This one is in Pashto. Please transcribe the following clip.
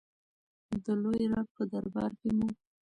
د لوی رب په دربار کې مو.